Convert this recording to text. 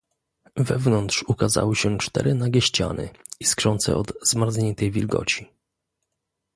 "Wewnątrz ukazały się cztery nagie ściany, iskrzące od zmarzniętej wilgoci."